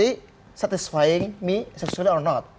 mencukupi saya seksual atau tidak